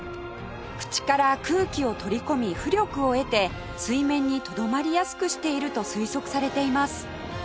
口から空気を取り込み浮力を得て水面にとどまりやすくしていると推測されています